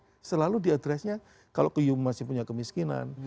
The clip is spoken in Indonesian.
seperti yang kan selalu diadresnya kalau ke u masih punya kemiskinan